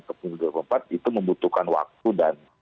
pemilu dua ribu dua puluh empat itu membutuhkan waktu dan